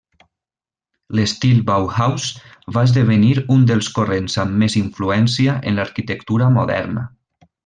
L'Estil Bauhaus va esdevenir un dels corrents amb més influència en l'arquitectura moderna.